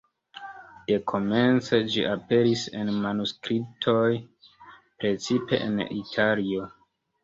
Dekomence ĝi aperis en manuskriptoj, precipe en Italio.